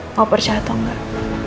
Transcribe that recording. mau percaya atau enggak